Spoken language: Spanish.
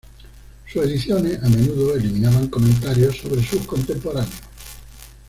Sus ediciones a menudo eliminaban comentarios sobre sus contemporáneos.